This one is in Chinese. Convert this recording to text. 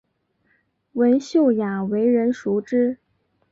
文秀雅为人熟知。